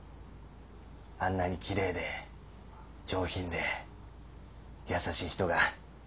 あんなに奇麗で上品で優しい人が。